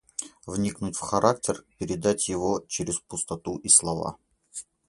Вникнуть в характер, передать его через пустоту и слова.